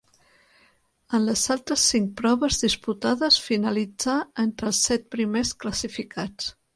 En les altres cinc proves disputades finalitzà entre els set primers classificats.